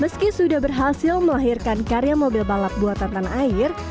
meski sudah berhasil melahirkan karya mobil balap buatan tanah air